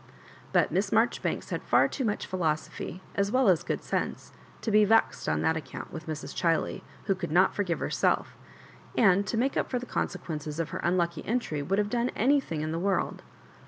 But Mias Marjoribanks had fieir too much philosophy as well as good sense to be vexed on that account with Mrs. Chiley, who could not forgive herself, and to make up for the consequences of her unlucky entry, would have done anything in the world.